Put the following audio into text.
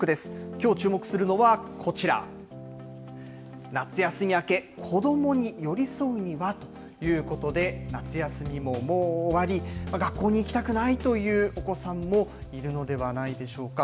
きょう注目するのはこちら、夏休み明け、子どもに寄り添うにはということで、夏休みももう終わり、学校に行きたくないというお子さんもいるのではないでしょうか。